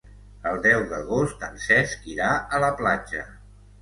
El deu d'agost en Cesc irà a la platja.